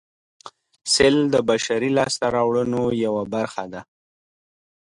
سل د بشري لاسته راوړنو یوه برخه ده